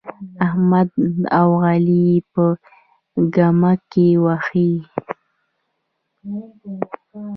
احمد او علي يې په ګمه کې وهي.